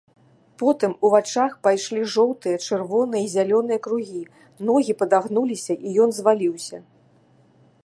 Потым у вачах пайшлі жоўтыя, чырвоныя і зялёныя кругі, ногі падагнуліся, і ён зваліўся.